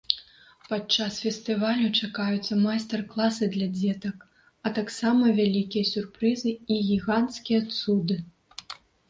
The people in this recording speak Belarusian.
Падчас фестывалю чакаюцца майстар-класы для дзетак, а таксама вялікія сюрпрызы і гіганцкія цуды.